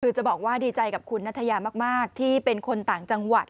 คือจะบอกว่าดีใจกับคุณนัทยามากที่เป็นคนต่างจังหวัด